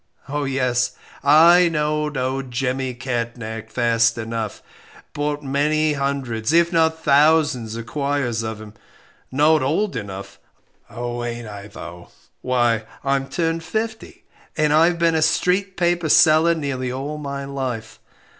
Oh, yes, I know'd 'Old Jemmy Catnach' fast enough bought many hundreds, if not thousands of quires of him. Not old enough? Oh, ain't I though; why I'm turned fifty, and I've been a 'street paper' seller nearly all my life.